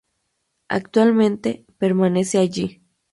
Actualmente, permanece allí.